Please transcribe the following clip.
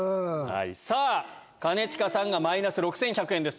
兼近さんがマイナス６１００円です。